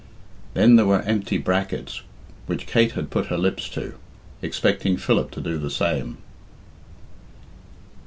Then there were empty brackets [], which Kate had put her lips to, expecting Philip to do the same.